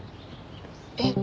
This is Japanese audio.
えっ？